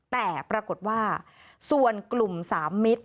แต่ปรากฏว่าส่วนกลุ่ม๓มิตร